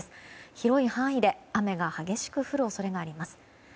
広い範囲で雨が激しく降る恐れがあります。